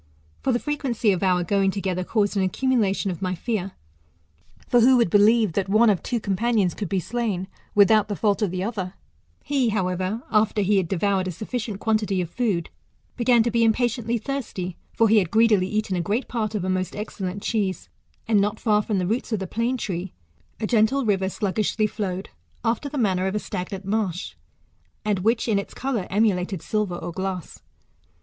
For the frequency of our going together caused an ac cumulation of my fear ; for who would believe that one of two companions could be slain, without the fault of the other ?" He, however, after he had devoured a sufficient quantity of food, began to be impatiently thirsty, for he had greedily eaten a great part of a most excellent cheese ; and not far from the roots of the plane tree a gentle river sluggishly flowed, after T2 THE METAMORPHOSIS, OR the manner of a stagnant marsb, and which in its colour emu* lated silver or glass.